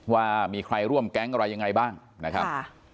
ว่ามีใครร่วมแก๊งอะไรยังไงบ้างนะครับ